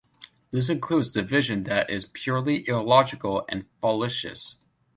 This includes division that is purely illogical and fallacious.